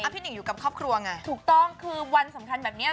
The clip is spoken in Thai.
หนิ่งอยู่กับครอบครัวไงถูกต้องคือวันสำคัญแบบนี้